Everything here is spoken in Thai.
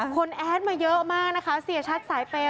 แอดมาเยอะมากนะคะเสียชัดสายเปย์